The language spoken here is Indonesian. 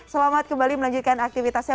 selamat kembali melanjutkan aktivitasnya